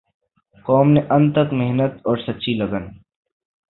قوم نے انتھک محنت اور سچی لگن